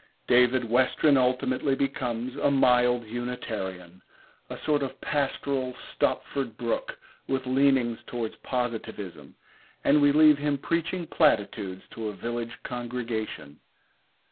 David Westren ultimately becomes a mild Unitarian, a sort of pastoral Stopford Brooke with leanings towards Positivism, and we leave him preaching platitudes to a village congregation.